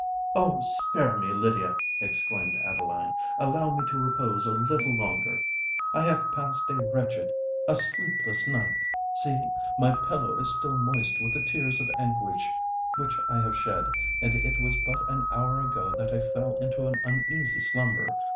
"Oh! spare me, Lydia," exclaimed Adeline; "allow me to repose a little longer. I have passed a wretched—a sleepless night: see—my pillow is still moist with the tears of anguish which I have shed; and it was but an hour ago that I fell into an uneasy slumber!